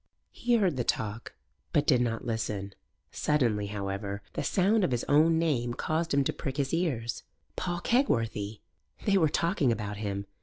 He heard the talk, but did not listen. Suddenly, however, the sound of his own name caused him to prick his ears. Paul Kegworthy! They were talking about him.